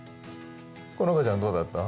好花ちゃんどうだった？